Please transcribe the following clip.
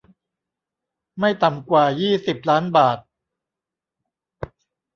ไม่ต่ำกว่ายี่สิบล้านบาท